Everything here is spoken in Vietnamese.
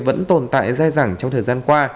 vẫn tồn tại dai dẳng trong thời gian qua